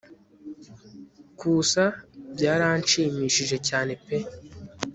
kusa byaranshimishije cyane pe